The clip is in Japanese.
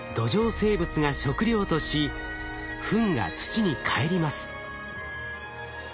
生物が食料としふんが土にかえります。